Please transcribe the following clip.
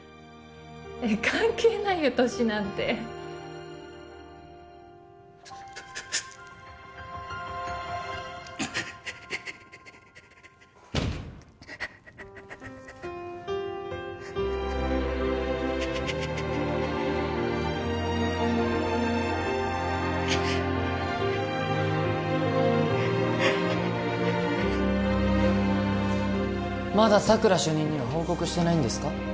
関係ないよ年なんてまだ佐久良主任には報告してないんですか？